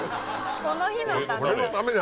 この日のために。